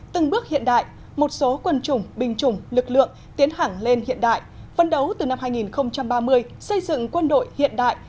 từng bước hiện đại một số quân chủng binh chủng lực lượng tiến hẳng lên hiện đại phân đấu từ năm hai nghìn ba mươi xây dựng quân đội hiện đại